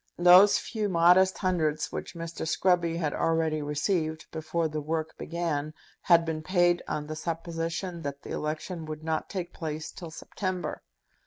Those few modest hundreds which Mr. Scruby had already received before the work began, had been paid on the supposition that the election would not take place till September.